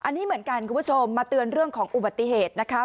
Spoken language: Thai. อันนี้เหมือนกันคุณผู้ชมมาเตือนเรื่องของอุบัติเหตุนะคะ